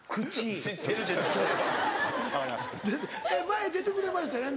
前出てくれましたよね